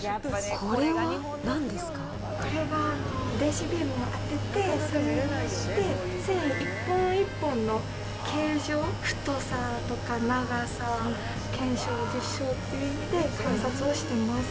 これが電子ビームを当てて、繊維一本一本の形状、太さとか長さ、検証、実証という意味で、観察をしています。